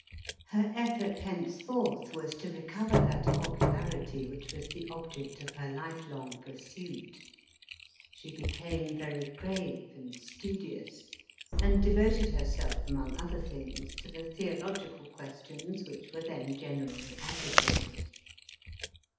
Her effort henceforth was to recover that popularity which was the object of her life long pursuit. She be came very grave and studious, and devoted herselfi among other things, to the theological questions which were then generally agitated.